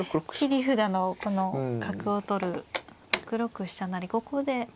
切り札のこの角を取る６六飛車成ここで。